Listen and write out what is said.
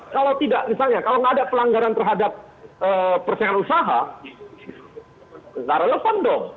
kalau tidak misalnya kalau nggak ada pelanggaran terhadap persaingan usaha nggak relevan dong